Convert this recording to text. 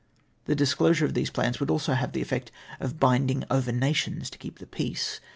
The disclosm^e of these plans would also have the effect of binding over nations to keep the peace.